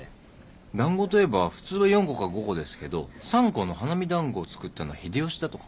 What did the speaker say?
団子といえば普通は４個か５個ですけど３個の花見団子を作ったのは秀吉だとか。